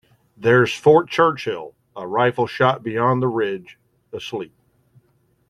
There's Fort Churchill, a rifle-shot beyond the ridge, asleep.